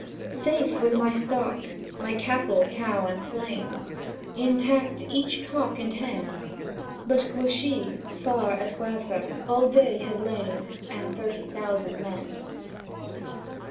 Safe was my stock; my capple cow unslain; Intact each cock and hen; But Grouchy far at Wavre all day had lain, And thirty thousand men.